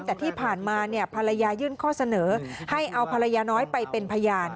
แต่ที่ผ่านมาภรรยายื่นข้อเสนอให้เอาภรรยาน้อยไปเป็นพยาน